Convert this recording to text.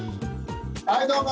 はいどうも！